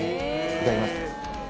いただきます